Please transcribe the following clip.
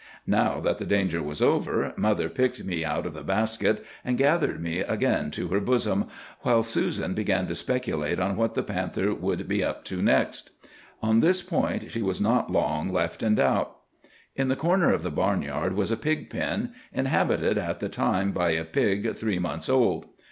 "Now that the danger was over, mother picked me out of the basket, and gathered me again to her bosom, while Susan began to speculate on what the panther would be up to next. On this point she was not long left in doubt. "In the corner of the barnyard was a pig pen, inhabited at the time by a pig three months old.